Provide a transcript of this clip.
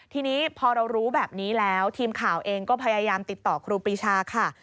ทีนี้พอเรารู้แบบนี้แล้วทีมข่าวเองก็พยายามติดต่อครูปรีชาค่ะ